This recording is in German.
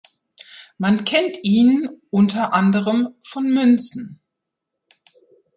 Man kennt ihn unter anderem von Münzen.